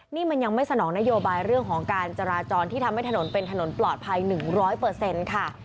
นี่มันยังไม่สนองนโยบายเรื่องของการจราจรที่ทำให้ถนนเป็นถนนปลอดภัย๑๐๐ค่ะ